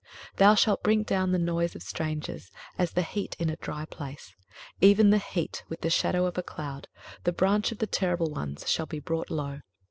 23:025:005 Thou shalt bring down the noise of strangers, as the heat in a dry place; even the heat with the shadow of a cloud: the branch of the terrible ones shall be brought low.